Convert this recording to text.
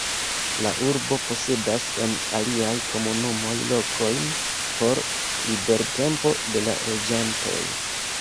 La urbo posedas en aliaj komunumoj lokojn por libertempo de la loĝantoj.